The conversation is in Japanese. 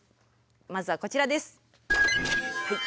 まずはこちらです。